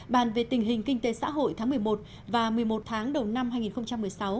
bàn về tình hình kinh tế xã hội tháng một mươi một và một mươi một tháng đầu năm hai nghìn một mươi sáu